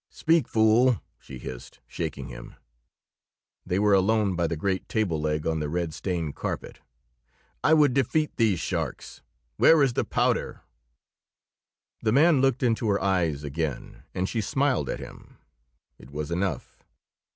"Speak, fool!" she hissed, shaking him. They were alone by the great table leg on the red stained carpet. "I would defeat these sharks! Where is the powder?" The man looked into her eyes again, and she smiled at him. It was enough.